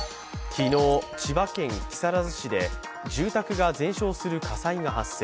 昨日、千葉県木更津市で住宅が全焼する火災が発生。